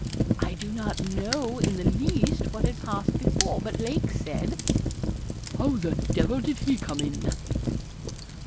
I do not know in the least what had passed before, but Lake said 'How the devil did he come in?'